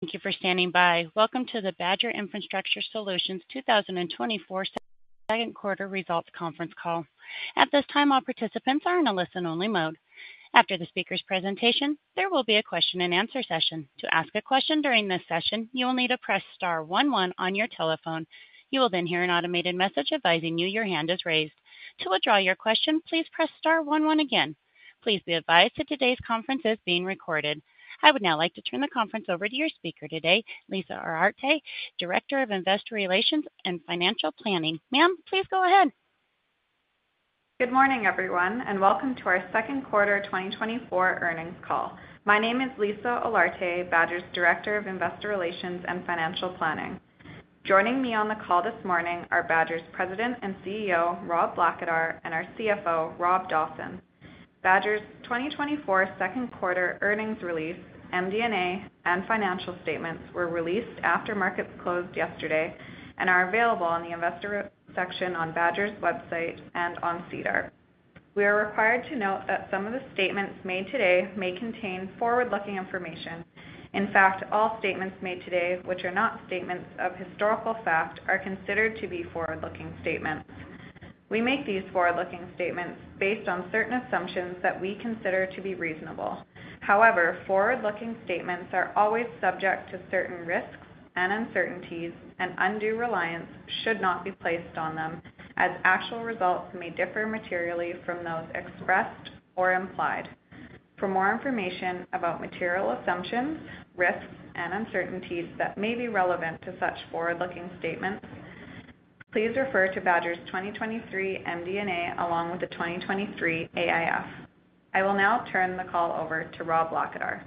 Thank you for standing by. Welcome to the Badger Infrastructure Solutions 2024 second quarter results conference call. At this time, all participants are in a listen-only mode. After the speaker's presentation, there will be a question-and-answer session. To ask a question during this session, you will need to press star one one on your telephone. You will then hear an automated message advising you your hand is raised. To withdraw your question, please press star one one again. Please be advised that today's conference is being recorded. I would now like to turn the conference over to your speaker today, Lisa Olarte, Director of Investor Relations and Financial Planning. Ma'am, please go ahead. Good morning, everyone, and welcome to our second quarter 2024 earnings call. My name is Lisa Olarte, Badger's Director of Investor Relations and Financial Planning. Joining me on the call this morning are Badger's President and CEO, Rob Blackadar, and our CFO, Rob Dawson. Badger's 2024 second quarter earnings release, MD&A, and financial statements were released after markets closed yesterday and are available on the investor section on Badger's website and on SEDAR. We are required to note that some of the statements made today may contain forward-looking information. In fact, all statements made today, which are not statements of historical fact, are considered to be forward-looking statements. We make these forward-looking statements based on certain assumptions that we consider to be reasonable. However, forward-looking statements are always subject to certain risks and uncertainties, and undue reliance should not be placed on them, as actual results may differ materially from those expressed or implied. For more information about material assumptions, risks, and uncertainties that may be relevant to such forward-looking statements, please refer to Badger's 2023 MD&A, along with the 2023 AIF. I will now turn the call over to Rob Blackadar.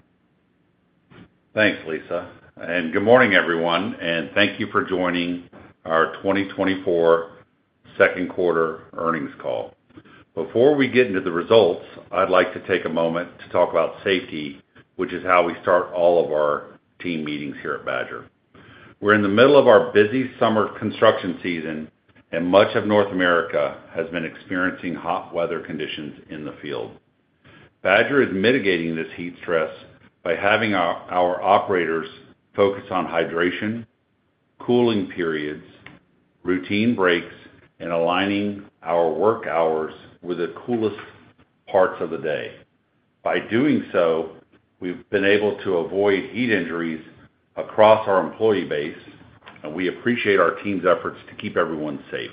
Thanks, Lisa, and good morning, everyone, and thank you for joining our 2024 second quarter earnings call. Before we get into the results, I'd like to take a moment to talk about safety, which is how we start all of our team meetings here at Badger. We're in the middle of our busy summer construction season, and much of North America has been experiencing hot weather conditions in the field. Badger is mitigating this heat stress by having our operators focus on hydration, cooling periods, routine breaks, and aligning our work hours with the coolest parts of the day. By doing so, we've been able to avoid heat injuries across our employee base, and we appreciate our team's efforts to keep everyone safe.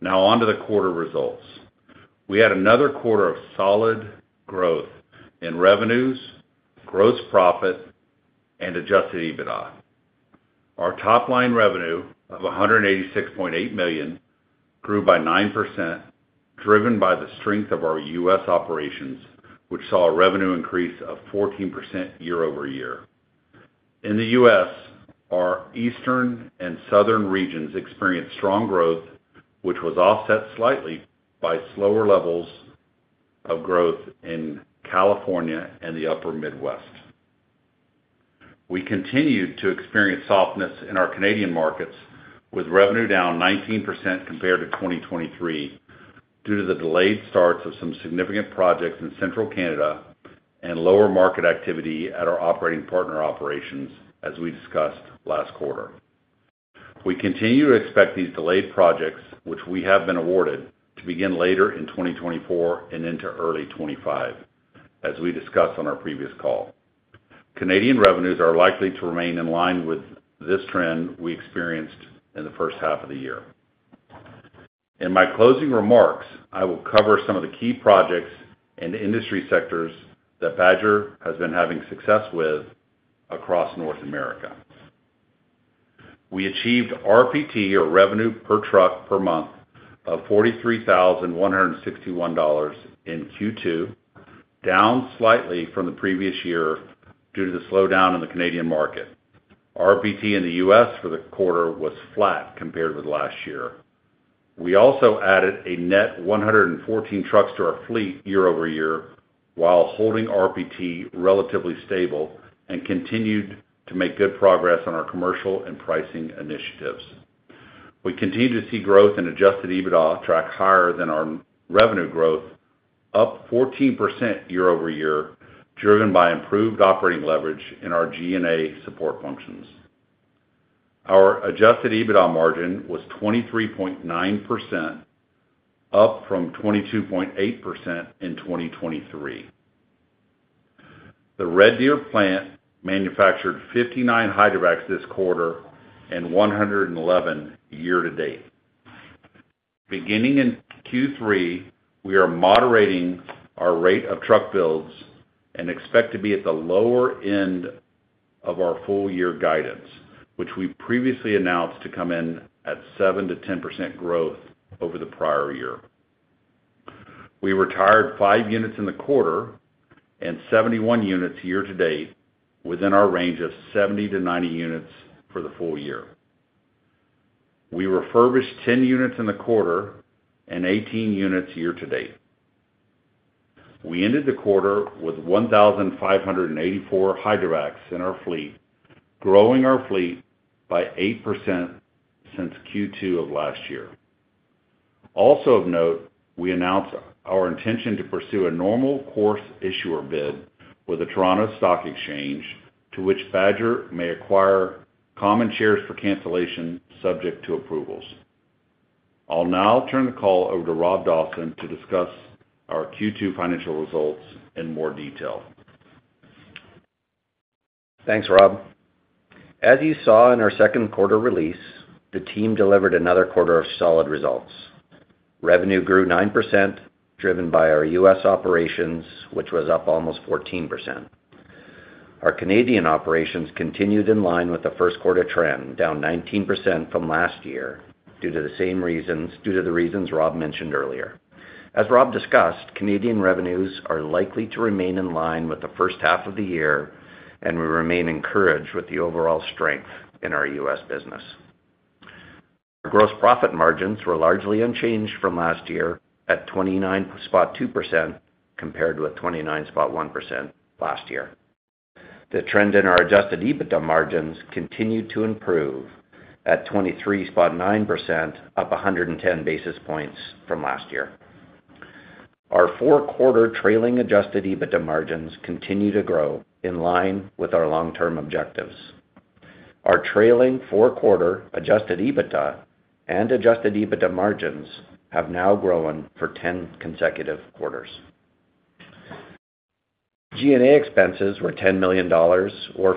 Now, on to the quarter results. We had another quarter of solid growth in revenues, gross profit, and Adjusted EBITDA. Our top-line revenue of $186.8 million grew by 9%, driven by the strength of our U.S. operations, which saw a revenue increase of 14% year-over-year. In the U.S., our Eastern and Southern regions experienced strong growth, which was offset slightly by slower levels of growth in California and the Upper Midwest. We continued to experience softness in our Canadian markets, with revenue down 19% compared to 2023, due to the delayed starts of some significant projects in Central Canada and lower market activity at our operating partner operations, as we discussed last quarter. We continue to expect these delayed projects, which we have been awarded, to begin later in 2024 and into early 2025, as we discussed on our previous call. Canadian revenues are likely to remain in line with this trend we experienced in the first half of the year. In my closing remarks, I will cover some of the key projects and industry sectors that Badger has been having success with across North America. We achieved RPT, or revenue per truck per month, of $43,161 in Q2, down slightly from the previous year due to the slowdown in the Canadian market. RPT in the US for the quarter was flat compared with last year. We also added a net 114 trucks to our fleet year over year, while holding RPT relatively stable and continued to make good progress on our commercial and pricing initiatives. We continue to see growth in Adjusted EBITDA track higher than our revenue growth, up 14% year over year, driven by improved operating leverage in our G&A support functions. Our Adjusted EBITDA margin was 23.9%, up from 22.8% in 2023. The Red Deer plant manufactured 59 hydrovacs this quarter and 111 year to date. Beginning in Q3, we are moderating our rate of truck builds and expect to be at the lower end of our full year guidance, which we previously announced to come in at 7%-10% growth over the prior year. We retired 5 units in the quarter and 71 units year to date, within our range of 70-90 units for the full year. We refurbished 10 units in the quarter and 18 units year to date. We ended the quarter with 1,584 hydrovacs in our fleet, growing our fleet by 8% since Q2 of last year. Also of note, we announced our intention to pursue a normal course issuer bid with the Toronto Stock Exchange, to which Badger may acquire common shares for cancellation, subject to approvals. I'll now turn the call over to Rob Dawson to discuss our Q2 financial results in more detail. Thanks, Rob. As you saw in our second quarter release, the team delivered another quarter of solid results. Revenue grew 9%, driven by our U.S. operations, which was up almost 14%. Our Canadian operations continued in line with the first quarter trend, down 19% from last year, due to the reasons Rob mentioned earlier. As Rob discussed, Canadian revenues are likely to remain in line with the first half of the year, and we remain encouraged with the overall strength in our U.S. business. Our gross profit margins were largely unchanged from last year, at 29.2%, compared with 29.1% last year. The trend in our Adjusted EBITDA margins continued to improve at 23.9%, up 110 basis points from last year. Our four-quarter trailing adjusted EBITDA margins continue to grow in line with our long-term objectives. Our trailing four-quarter adjusted EBITDA and adjusted EBITDA margins have now grown for 10 consecutive quarters. G&A expenses were $10 million, or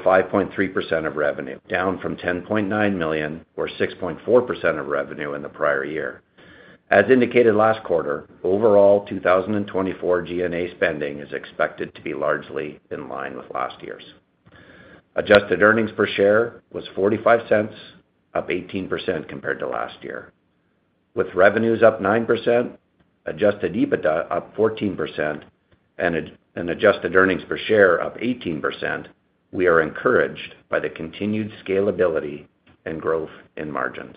5.3% of revenue, down from $10.9 million, or 6.4% of revenue in the prior year. As indicated last quarter, overall, 2024 G&A spending is expected to be largely in line with last year's. Adjusted earnings per share was $0.45, up 18% compared to last year. With revenues up 9%, adjusted EBITDA up 14%, and adjusted earnings per share up 18%, we are encouraged by the continued scalability and growth in margins.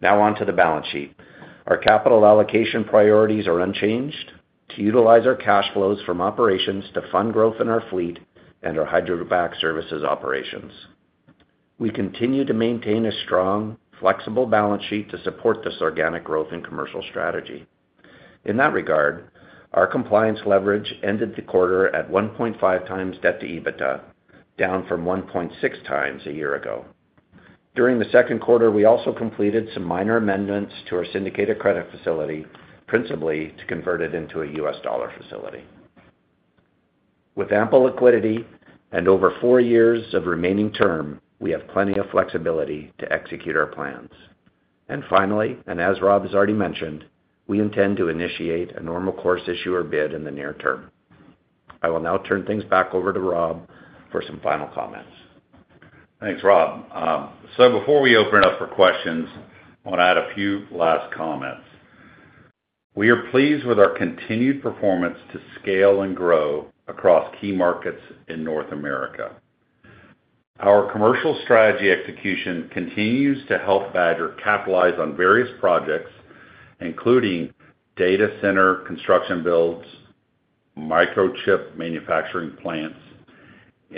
Now on to the balance sheet. Our capital allocation priorities are unchanged: to utilize our cash flows from operations to fund growth in our fleet and our hydrovac services operations. We continue to maintain a strong, flexible balance sheet to support this organic growth and commercial strategy. In that regard, our compliance leverage ended the quarter at 1.5 times debt to EBITDA, down from 1.6 times a year ago. During the second quarter, we also completed some minor amendments to our syndicated credit facility, principally to convert it into a US dollar facility. With ample liquidity and over 4 years of remaining term, we have plenty of flexibility to execute our plans. Finally, and as Rob has already mentioned, we intend to initiate a normal course issuer bid in the near term. I will now turn things back over to Rob for some final comments. Thanks, Rob. So before we open it up for questions, I want to add a few last comments. We are pleased with our continued performance to scale and grow across key markets in North America. Our commercial strategy execution continues to help Badger capitalize on various projects, including data center construction builds, microchip manufacturing plants,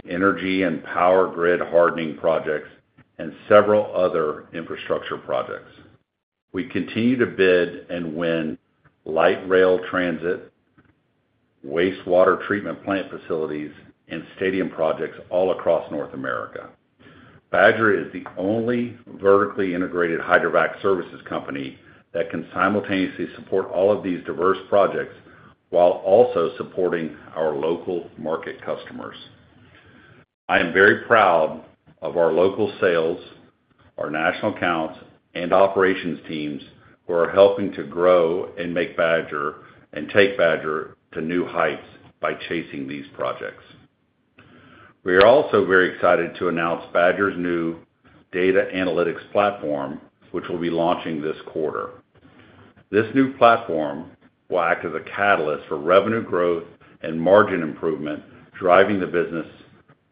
energy and power grid hardening projects, and several other infrastructure projects. We continue to bid and win light rail transit, wastewater treatment plant facilities, and stadium projects all across North America. Badger is the only vertically integrated hydrovac services company that can simultaneously support all of these diverse projects while also supporting our local market customers. I am very proud of our local sales, our national accounts, and operations teams, who are helping to grow and make Badger and take Badger to new heights by chasing these projects. We are also very excited to announce Badger's new data analytics platform, which we'll be launching this quarter. This new platform will act as a catalyst for revenue growth and margin improvement, driving the business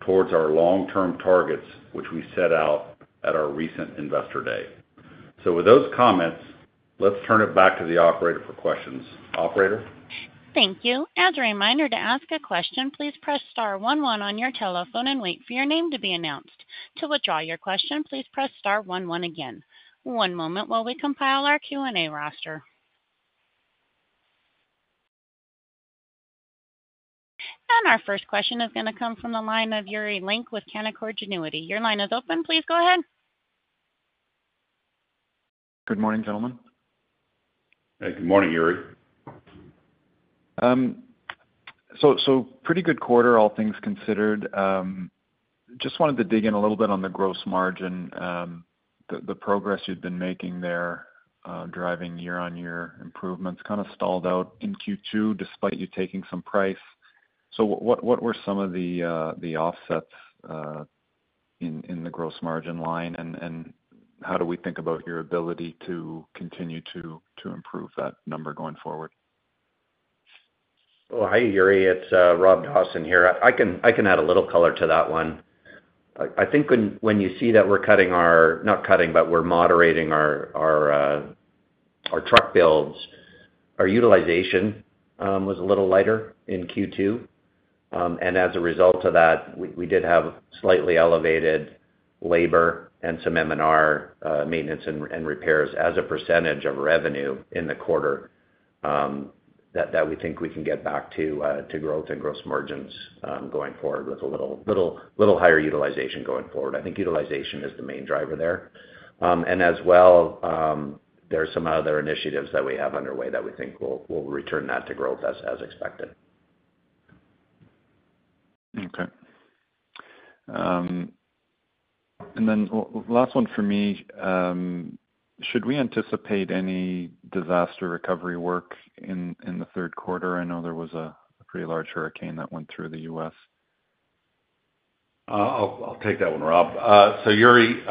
towards our long-term targets, which we set out at our recent Investor Day. So with those comments, let's turn it back to the operator for questions. Operator? Thank you. As a reminder, to ask a question, please press star one one on your telephone and wait for your name to be announced. To withdraw your question, please press star one one again. One moment while we compile our Q&A roster. Our first question is going to come from the line of Yuri Lynk with Canaccord Genuity. Your line is open. Please go ahead. Good morning, gentlemen. Hey, good morning, Yuri. Pretty good quarter, all things considered. Just wanted to dig in a little bit on the gross margin. The progress you've been making there, driving year-on-year improvements stalled out in Q2, despite you taking some price. What were some of the offsets in the gross margin line? How do we think about your ability to continue to improve that number going forward? Well, hi, Yuri, it's Rob Dawson here. I can add a little color to that one. I think when you see that we're cutting our. Not cutting, but we're moderating our truck build. Our utilization was a little lighter in Q2. And as a result of that, we did have slightly elevated labor and some M&R, maintenance and repairs as a percentage of revenue in the quarter, that we think we can get back to to growth and gross margins going forward with a little higher utilization going forward. I think utilization is the main driver there. And as well, there are some other initiatives that we have underway that we think will return that to growth as expected. Okay. Then last one for me, should we anticipate any disaster recovery work in the third quarter? I know there was a pretty large hurricane that went through the U.S. I'll take that one, Rob. So Yuri,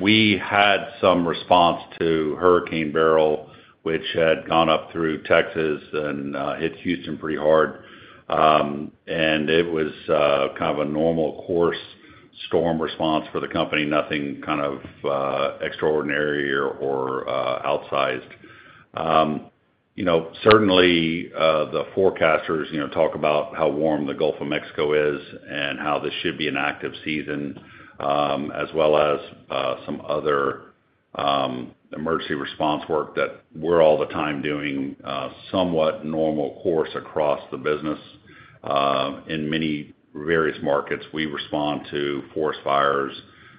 we had some response to Hurricane Beryl, which had gone up through Texas and hit Houston pretty hard. It was a normal course storm response for the company, nothing extraordinary or outsized. Certainly, the forecasters, talk about how warm the Gulf of Mexico is and how this should be an active season, as well as some other emergency response work that we're all the time doing, somewhat normal course across the business. In many various markets, we respond to forest fires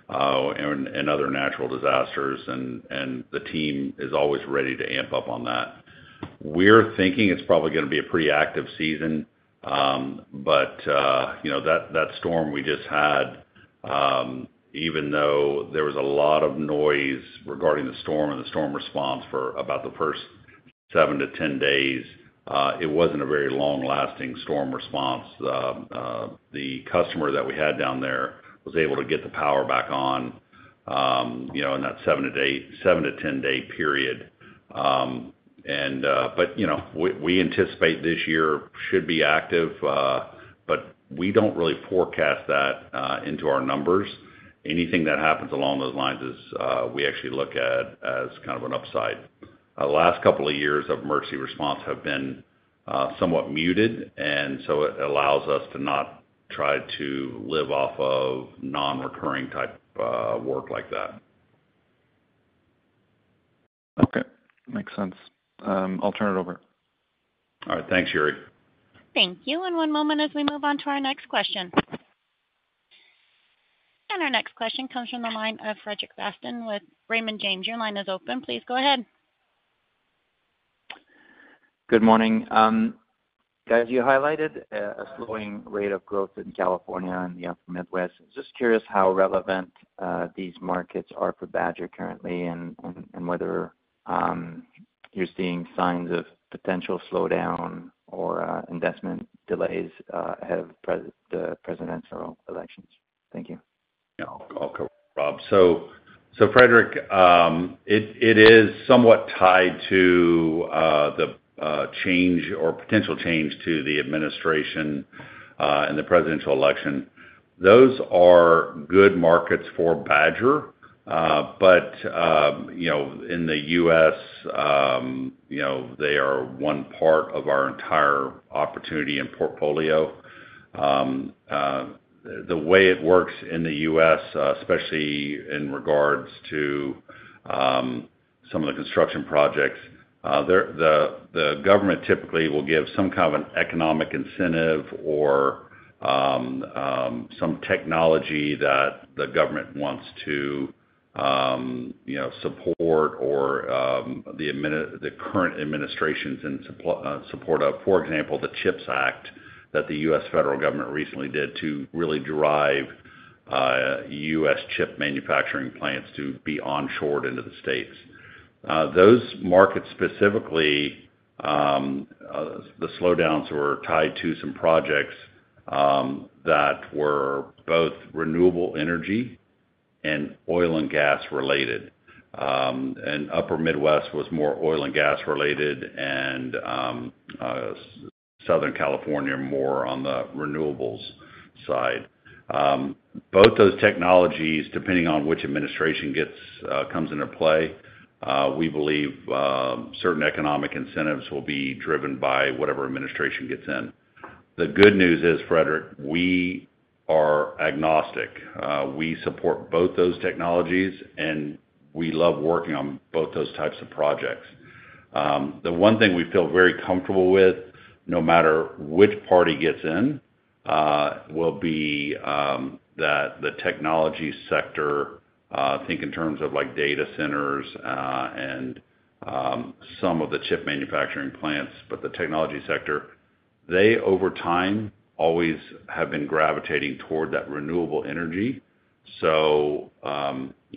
and other natural disasters, and the team is always ready to amp up on that. We're thinking it's probably going to be a pretty active season, but that storm we just had, even though there was a lot of noise regarding the storm and the storm response for about the first 7 to 10 days, it wasn't a very long-lasting storm response. The customer that we had down there was able to get the power back on, in that 7-to-10-day period. We anticipate this year should be active, but we don't really forecast that into our numbers. Anything that happens along those lines is we actually look at as an upside. The last couple of years of emergency response have been somewhat muted, and so it allows us to not try to live off of non-recurring type work like that. Okay. Makes sense. I'll turn it over. All right. Thanks, Yuri. Thank you. One moment as we move on to our next question. Our next question comes from the line of Frederic Bastien with Raymond James. Your line is open. Please go ahead. Good morning. Guys, you highlighted a slowing rate of growth in California and the Upper Midwest. Just curious how relevant these markets are for Badger currently, and whether you're seeing signs of potential slowdown or investment delays ahead of the presidential elections? Thank you. Yeah. I'll go, Rob. Frederic, it is somewhat tied to the change or potential change to the administration and the presidential election. Those are good markets for Badger, but in the U.S. they are one part of our entire opportunity and portfolio. The way it works in the U.S., especially in regards to some of the construction projects, the government typically will give some an economic incentive or some technology that the government wants to support or the current administrations in support of, for example, the CHIPS Act, that the U.S. federal government recently did to really drive U.S. chip manufacturing plants to be onshored into the States. Those markets, specifically, the slowdowns were tied to some projects that were both renewable energy and oil and gas related. And Upper Midwest was more oil and gas related and, Southern California, more on the renewables side. Those technologies, depending on which administration gets comes into play, we believe, certain economic incentives will be driven by whatever administration gets in. The good news is, Frederic, we are agnostic. We support both those technologies, and we love working on both those types of projects. The one thing we feel very comfortable with, no matter which party gets in, will be that the technology sector, think in terms of, like, data centers, and some of the chip manufacturing plants, but the technology sector, they, over time, always have been gravitating toward that renewable energy.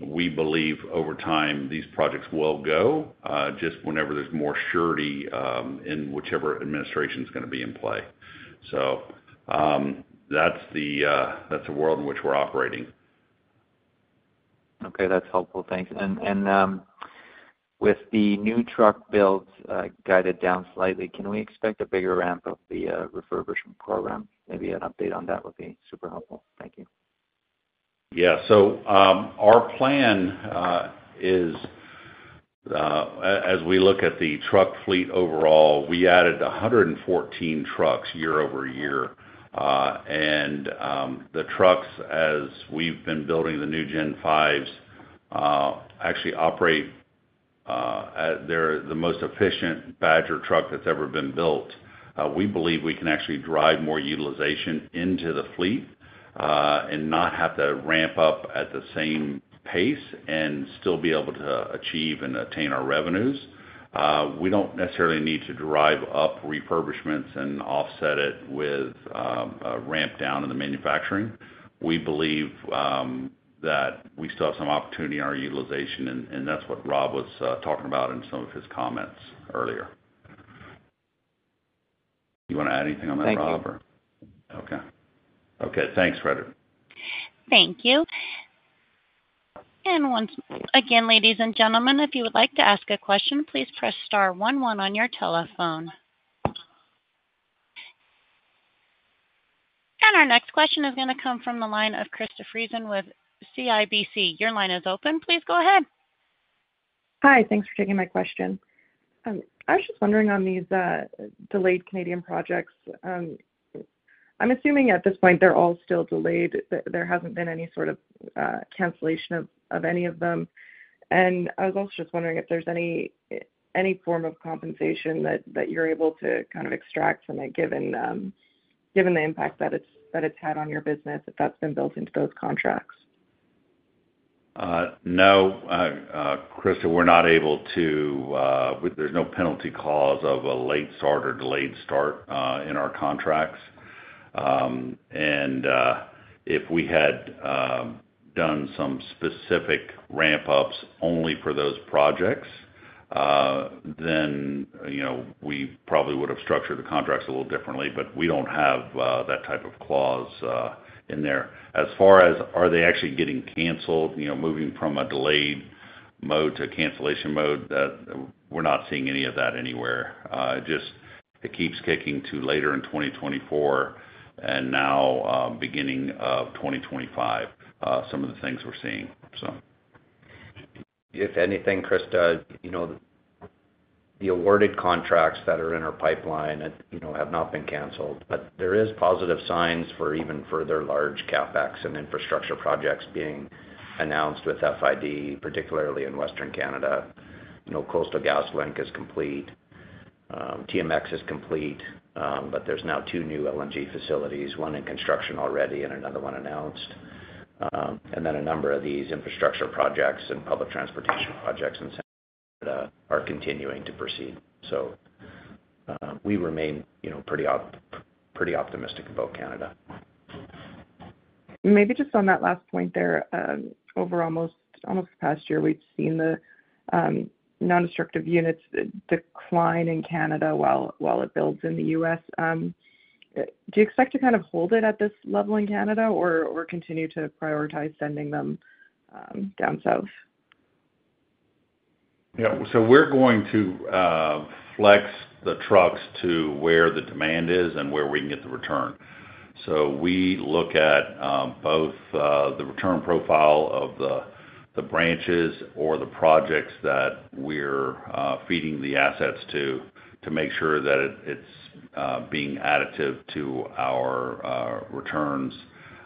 We believe over time, these projects will go, just whenever there's more surety, in whichever administration is going to be in play. That's the, that's the world in which we're operating. Okay. That's helpful. Thanks. With the new truck builds guided down slightly, can we expect a bigger ramp of the refurbishment program? Maybe an update on that would be super helpful. Thank you. Our plan is, as we look at the truck fleet overall, we added 114 trucks year-over-year. The trucks, as we've been building the new Gen 5s, actually operate they're the most efficient Badger truck that's ever been built. We believe we can actually drive more utilization into the fleet, and not have to ramp up at the same pace and still be able to achieve and attain our revenues. We don't necessarily need to drive up refurbishments and offset it with, a ramp down in the manufacturing. We believe, that we still have some opportunity in our utilization, and, that's what Rob was, talking about in some of his comments earlier. You want to add anything on that, Rob? Thank you. Okay. Okay, thanks, Frederic. Thank you. Once again, ladies and gentlemen, if you would like to ask a question, please press star one one on your telephone. Our next question is going to come from the line of Krista Friesen with CIBC. Your line is open. Please go ahead. Hi, thanks for taking my question. I was just wondering on these, delayed Canadian projects, I'm assuming at this point, they're all still delayed, there hasn't been any cancellation of any of them. I was also just wondering if there's any form of compensation that you're able to extract from it, given the impact that it's had on your business, if that's been built into those contracts? No, Krista, we're not able to, there's no penalty clause of a late start or delayed start in our contracts. If we had done some specific ramp ups only for those projects, then we probably would have structured the contracts a little differently, but we don't have that type of clause in there. As far as, are they actually getting canceled? Moving from a delayed mode to a cancellation mode, we're not seeing any of that anywhere. Just, it keeps kicking to later in 2024 and now, beginning of 2025, some of the things we're seeing, so. If anything, Krista, the awarded contracts that are in our pipeline, have not been canceled. There is positive signs for even further large CapEx and infrastructure projects being announced with FID, particularly in Western Canada. Coastal GasLink is complete, TMX is complete, but there's now two new LNG facilities, one in construction already and another one announced. Then a number of these infrastructure projects and public transportation projects in Canada are continuing to proceed. We remain pretty optimistic about Canada. Maybe just on that last point there, over almost the past year, we've seen the non-destructive units decline in Canada while it builds in the U.S. Do you expect to hold it at this level in Canada or continue to prioritize sending them down south? Yeah. We're going to flex the trucks to where the demand is and where we can get the return. We look at both the return profile of the branches or the projects that we're feeding the assets to, to make sure that it it's being additive to our returns,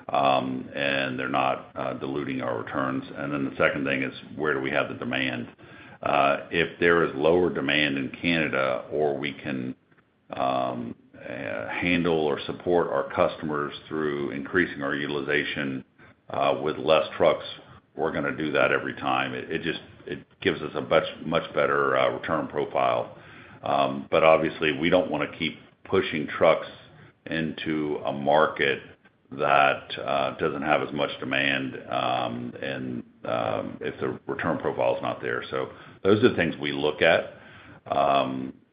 and they're not diluting our returns. Then the second thing is, where do we have the demand? If there is lower demand in Canada, or we can handle or support our customers through increasing our utilization with less trucks, we're going to do that every time. It it just- it gives us a much much better return profile. But obviously, we don't want to keep pushing trucks into a market that doesn't have as much demand, and if the return profile is not there. So those are the things we look at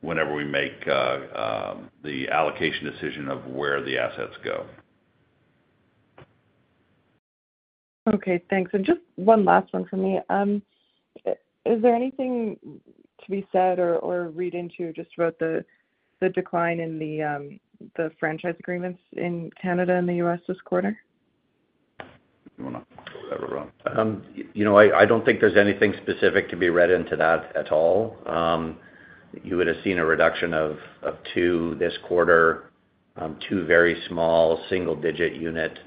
whenever we make the allocation decision of where the assets go. Okay, thanks. Just one last one for me. Is there anything to be said or read into just about the decline in the franchise agreements in Canada and the US this quarter? You want to. Go ahead, Rob. I don't think there's anything specific to be read into that at all. You would have seen a reduction of two this quarter, two very small single-digit unit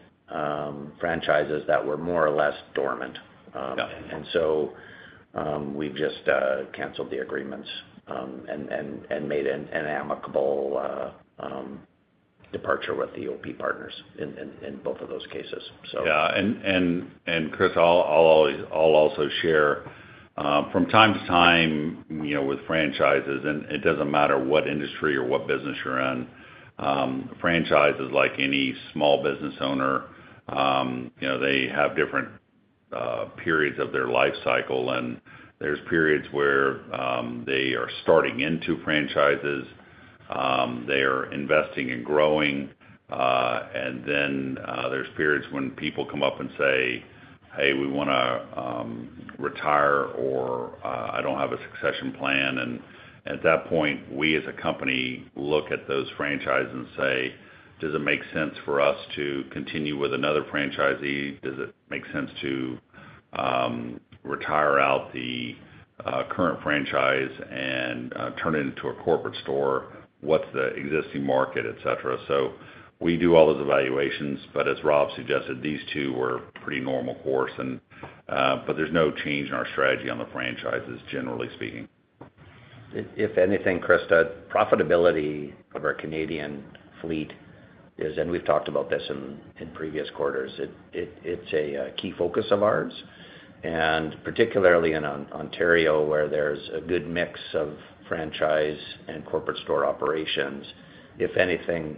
franchises that were more or less dormant. Yeah. We've just cancelled the agreements and made an amicable departure with the OP partners in both of those cases. Yeah, Chris, I'll also share from time to time, with franchises, and it doesn't matter what industry or what business you're in, franchises, like any small business owner, they have different periods of their life cycle, and there's periods where they are starting into franchises, they are investing and growing, and then there's periods when people come up and say: "Hey, we want to retire, or I don't have a succession plan." At that point, we as a company, look at those franchises and say: Does it make sense for us to continue with another franchisee? Does it make sense to retire out the current franchise and turn it into a corporate store? What's the existing market, et cetera? We do all those evaluations, but as Rob suggested, these two were pretty normal course, and but there's no change in our strategy on the franchises, generally speaking. If anything, Krista, profitability of our Canadian fleet is, and we've talked about this in previous quarters, it's a key focus of ours, and particularly in Ontario, where there's a good mix of franchise and corporate store operations. If anything,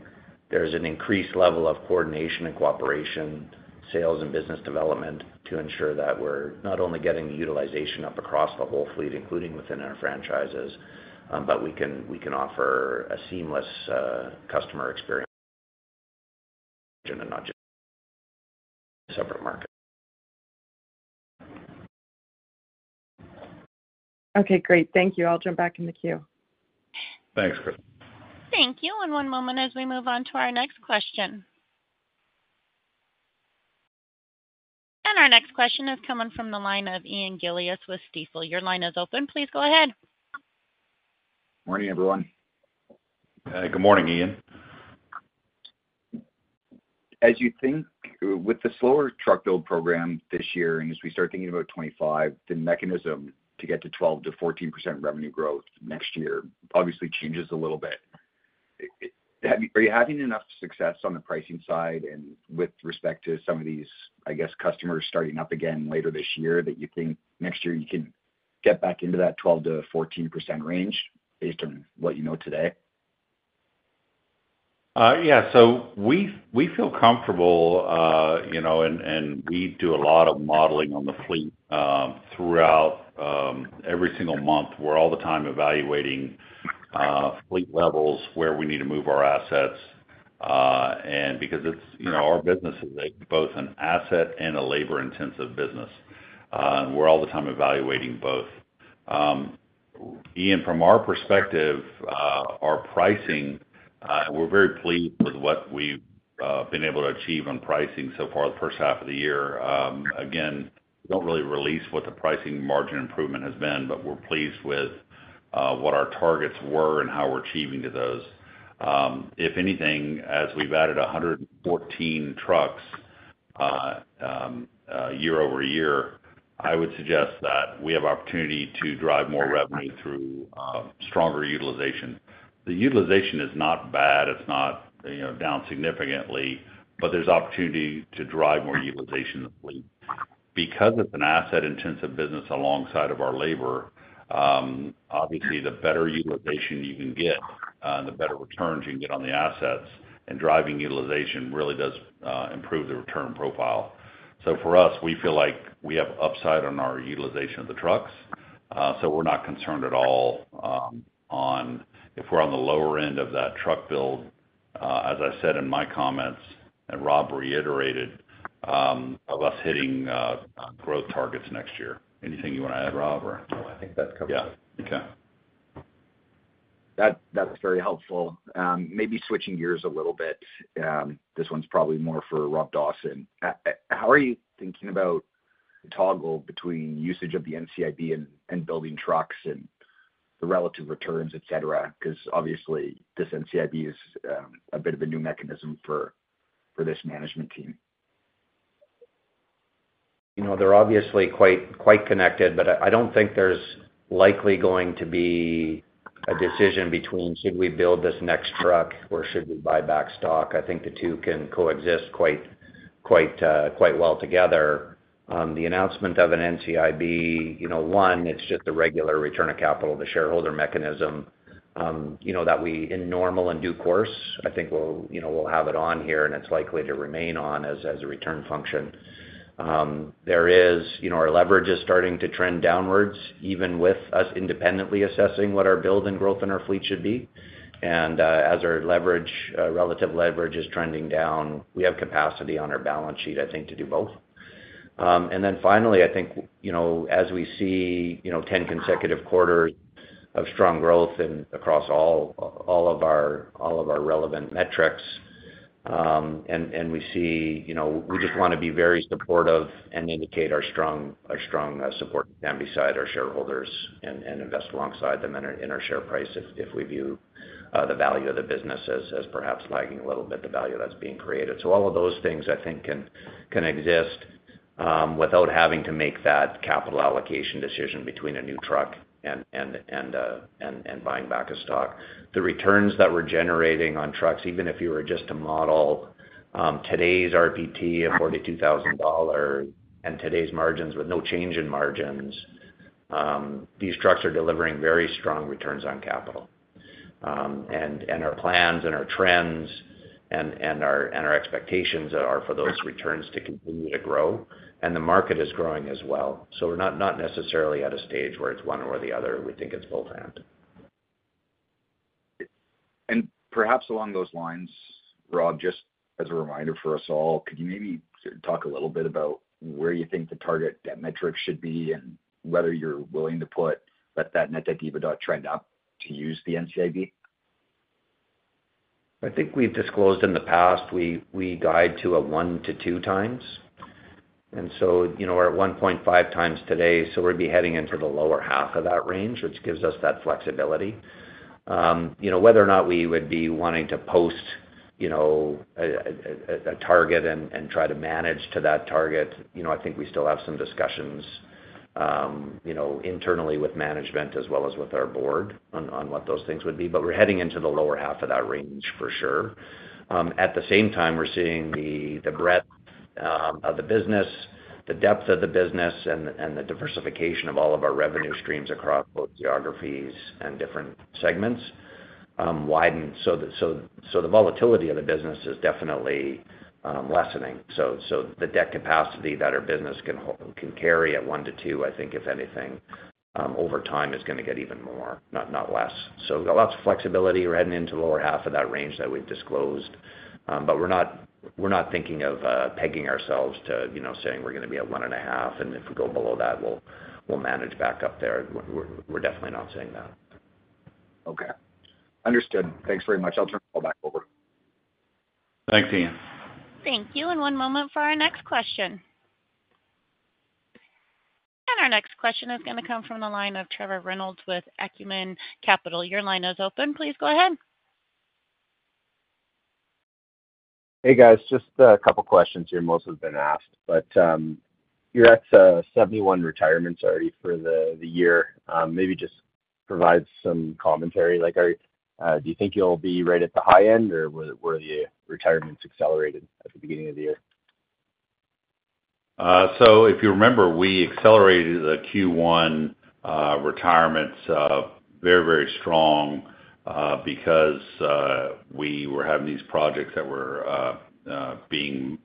there's an increased level of coordination and cooperation, sales and business development to ensure that we're not only getting the utilization up across the whole fleet, including within our franchises, but we can offer a seamless customer experience and not just separate markets. Okay, great. Thank you. I'll jump back in the queue. Thanks, Krista. Thank you. One moment as we move on to our next question. Our next question is coming from the line of Ian Gillies with Stifel. Your line is open. Please go ahead. Morning, everyone. Good morning, Ian. As you think, with the slower truck build program this year, and as we start thinking about 25, the mechanism to get to 12%-14% revenue growth next year obviously changes a little bit. Are you having enough success on the pricing side and with respect to some of these, I guess, customers starting up again later this year, that you think next year you can get back into that 12%-14% range based on what today? Yeah. We, we feel comfortable and, and we do a lot of modeling on the fleet, throughout, every single month. We're all the time evaluating, fleet levels where we need to move our assets, and because it's our business is both an asset and a labor-intensive business, we're all the time evaluating both. Ian, from our perspective, our pricing, we're very pleased with what we've, been able to achieve on pricing so far the first half of the year. Again, we don't really release what the pricing margin improvement has been, but we're pleased with, what our targets were and how we're achieving to those. If anything, as we've added 114 trucks year over year, I would suggest that we have opportunity to drive more revenue through stronger utilization. The utilization is not bad. It's not down significantly, but there's opportunity to drive more utilization of the fleet. It's an asset-intensive business alongside of our labor, obviously, the better utilization you can get, the better returns you can get on the assets, and driving utilization really does improve the return profile. For us, we feel like we have upside on our utilization of the trucks. We're not concerned at all on if we're on the lower end of that truck build, as I said in my comments, and Rob reiterated, of us hitting growth targets next year. Anything you want to add, Rob, or? No, I think that covers it. Yeah. Okay. That's very helpful. Maybe switching gears a little bit, this one's probably more for Rob Dawson. How are you thinking about the toggle between usage of the NCIB and building trucks and the relative returns, et cetera? Because obviously, this NCIB is a bit of a new mechanism for this management team. They're obviously quite, quite connected, but I don't think there's likely going to be a decision between should we build this next truck or should we buy back stock? I think the two can coexist quite, quite, quite well together. The announcement of an NCIB one, it's just a regular return of capital to shareholder mechanism that we, in normal and due course, I think we'll we'll have it on here, and it's likely to remain on as, as a return function. There is our leverage is starting to trend downwards, even with us independently assessing what our build and growth in our fleet should be. As our leverage, relative leverage is trending down, we have capacity on our balance sheet, I think, to do both. Then finally, I think as we see 10 consecutive quarters of strong growth across all of our relevant metrics, and we see we just want to be very supportive and indicate our strong support stand beside our shareholders and invest alongside them in our share price if we view the value of the business as perhaps lagging a little bit, the value that's being created. All of those things, I think, can exist without having to make that capital allocation decision between a new truck and buying back a stock. The returns that we're generating on trucks, even if you were just to model today's RPT of $42,000 and today's margins with no change in margins, these trucks are delivering very strong returns on capital. And our plans and our trends and our expectations are for those returns to continue to grow, and the market is growing as well. We're not necessarily at a stage where it's one or the other. We think it's both and. Perhaps along those lines, Rob, just as a reminder for us all, could you maybe sort of talk a little bit about where you think the target debt metric should be, and whether you're willing to put that net debt EBITDA trend up to use the NCIB? I think we've disclosed in the past, we guide to a 1-2 times. We're at 1.5 times today, so we'd be heading into the lower half of that range, which gives us that flexibility. Whether or not we would be wanting to post a target and try to manage to that target, I think we still have some discussions internally with management as well as with our board on what those things would be. We're heading into the lower half of that range for sure. At the same time, we're seeing the breadth of the business, the depth of the business, and the diversification of all of our revenue streams across both geographies and different segments widen. The volatility of the business is definitely lessening. The debt capacity that our business can hold, can carry at 1-2, I think, if anything, over time, is gonna get even more, not less. We've got lots of flexibility. We're heading into the lower half of that range that we've disclosed, but we're not thinking of pegging ourselves to saying we're going to be at 1.5 and if we go below that, we'll manage back up there. We're definitely not saying that. Okay. Understood. Thanks very much. I'll turn the call back over. Thanks, Ian. Thank you, and one moment for our next question. Our next question is going to come from the line of Trevor Reynolds with Acumen Capital. Your line is open. Please go ahead. Hey, guys. Just a couple questions here, most have been asked, but you're at 71 retirements already for the year. Maybe just provide some commentary. Do you think you'll be right at the high end, or were the retirements accelerated at the beginning of the year? If you remember, we accelerated the Q1 retirements very, very strong because we were having these projects that were being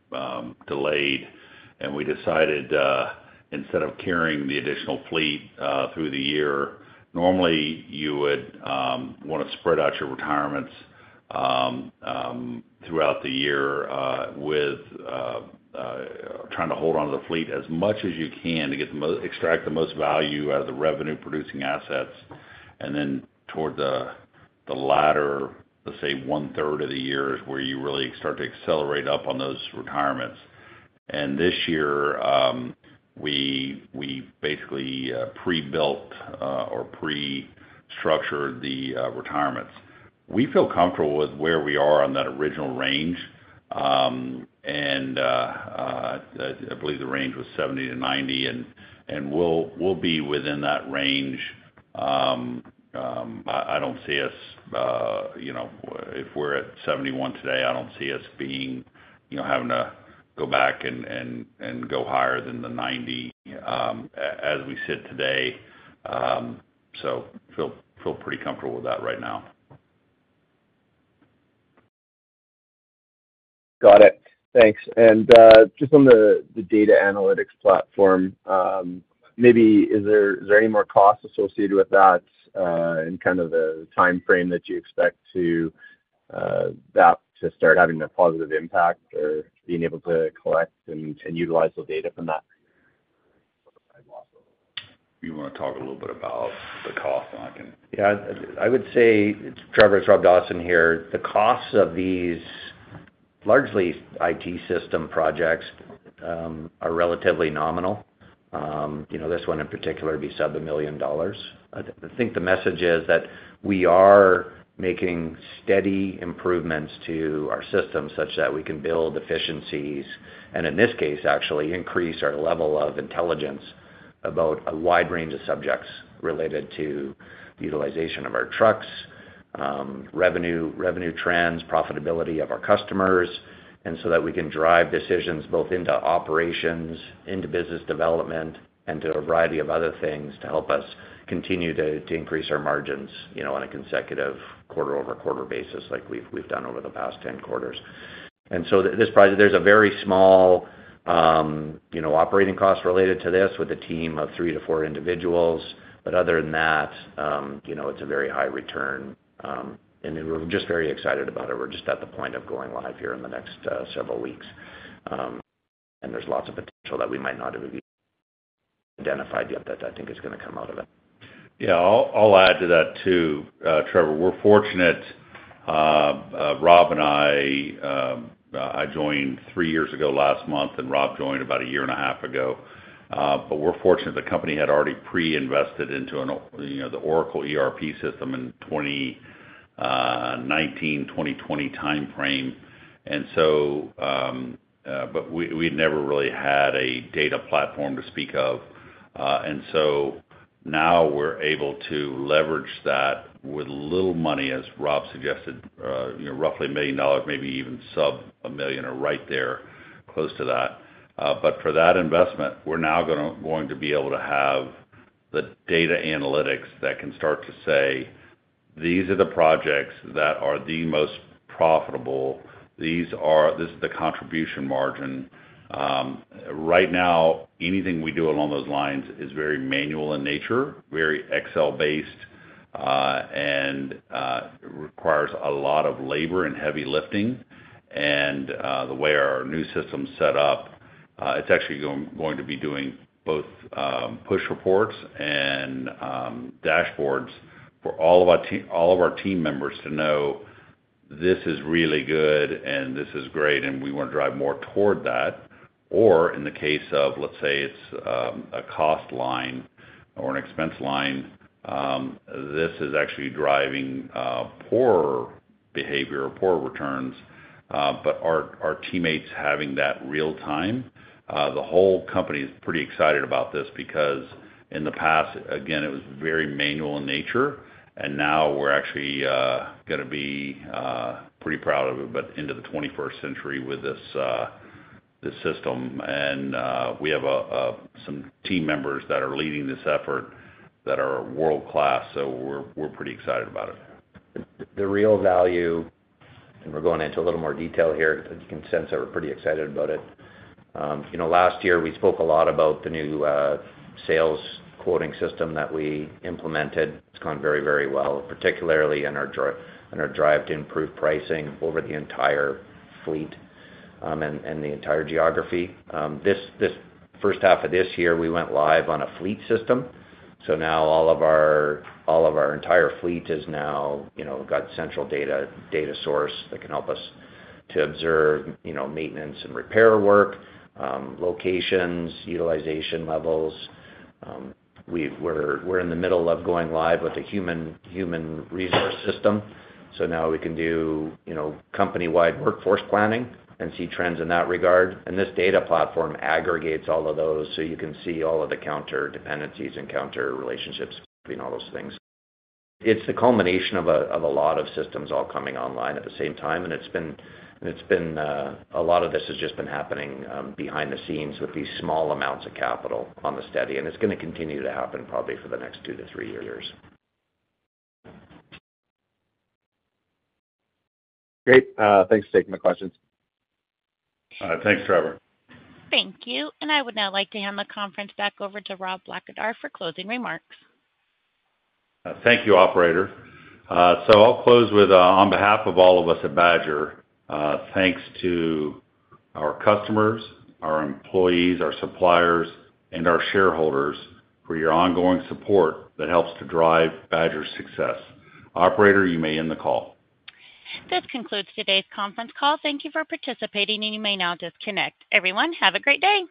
delayed. And we decided instead of carrying the additional fleet through the year, normally you would want to spread out your retirements throughout the year with trying to hold onto the fleet as much as you can to extract the most value out of the revenue-producing assets. Then toward the latter, let's say, one-third of the year is where you really start to accelerate up on those retirements. This year, we basically pre-built or pre-structured the retirements. We feel comfortable with where we are on that original range. I believe the range was 70-90, and we'll be within that range. I don't see us if we're at 71 today, I don't see us being having to go back and go higher than the 90, as we sit today. Feel pretty comfortable with that right now. Got it. Thanks. Just on the data analytics platform, maybe is there any more costs associated with that, and the timeframe that you expect that to start having a positive impact, or being able to collect and utilize the data from that? You want to talk a little bit about the cost? Yeah, I would say, it's Trevor, it's Rob Dawson here. The costs of these largely IT system projects are relatively nominal. This one, in particular, would be sub $1 million. I think the message is that we are making steady improvements to our systems such that we can build efficiencies, and in this case, actually increase our level of intelligence about a wide range of subjects related to utilization of our trucks, revenue, revenue trends, profitability of our customers, and so that we can drive decisions both into operations, into business development, and to a variety of other things to help us continue to, to increase our margins on a consecutive quarter-over-quarter basis like we've done over the past 10 quarters. This project, there's a very small operating cost related to this, with a team of 3-4 individuals. Oher than that it's a very high return, and we're just very excited about it. We're just at the point of going live here in the next several weeks. There's lots of potential that we might not have even identified yet that I think is going to come out of it. Yeah, I'll add to that, too, Trevor. We're fortunate, Rob and I, I joined three years ago last month, and Rob joined about a year and a half ago. But we're fortunate the company had already pre-invested into the Oracle ERP system in 2019, 2020 timeframe. We, we never really had a data platform to speak of, and so now we're able to leverage that with little money, as Rob suggested, roughly $1 million, maybe even sub $1 million, or right there close to that. But for that investment, we're now going to be able to have the data analytics that can start to say, "These are the projects that are the most profitable. These are this is the contribution margin. Right now, anything we do along those lines is very manual in nature, very Excel-based, and requires a lot of labor and heavy lifting. The way our new system is set up, it's actually going to be doing both, push reports and dashboards for all of our team members to know this is really good, and this is great, and we wanna drive more toward that. Or in the case of, let's say, it's a cost line or an expense line, this is actually driving poorer behavior or poorer returns, but our teammates having that real time, the whole company is pretty excited about this because in the past, again, it was very manual in nature, and now we're actually gonna be pretty proud of it, but into the 21st century with this system. We have some team members that are leading this effort that are world-class, so we're pretty excited about it. The real value, and we're going into a little more detail here, you can sense that we're pretty excited about it. Last year, we spoke a lot about the new sales quoting system that we implemented. It's gone very, very well, particularly in our drive to improve pricing over the entire fleet, and the entire geography. This first half of this year, we went live on a fleet system, so now all of our entire fleet is now got central data source that can help us to observe maintenance and repair work, locations, utilization levels. We're in the middle of going live with a human resource system, so now we can do company-wide workforce planning and see trends in that regard. This data platform aggregates all of those, so you can see all of the counter dependencies and counter relationships between all those things. It's the culmination of a lot of systems all coming online at the same time, and it's been a lot of this has just been happening behind the scenes with these small amounts of capital on the steady, and it's going to continue to happen probably for the next two to three years. Great. Thanks for taking my questions. Thanks, Trevor. Thank you. I would now like to hand the conference back over to Rob Blackadar for closing remarks. Thank you, operator. I'll close with, on behalf of all of us at Badger, thanks to our customers, our employees, our suppliers, and our shareholders for your ongoing support that helps to drive Badger's success. Operator, you may end the call. This concludes today's conference call. Thank you for participating, and you may now disconnect. Everyone, have a great day.